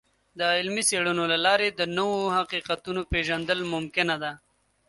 د علمي څیړنو له لارې د نوو حقیقتونو پیژندل ممکنه ده.